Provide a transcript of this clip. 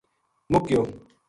مُک گیو